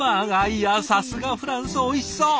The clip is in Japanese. いやさすがフランスおいしそう。